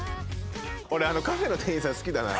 俺あのカフェの店員さん好きだな。